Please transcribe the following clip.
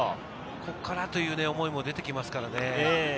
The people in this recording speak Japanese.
ここからという思いも出てきますからね。